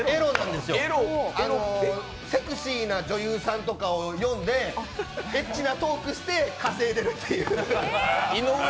セクシーな女優さんとかを呼んでエッチなトークして稼いでるという。